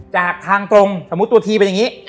จากทางตรงสมมุติตัวทีเป็นอย่างนี้